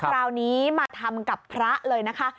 คราวนี้มาทำกับพระเลยนะคะ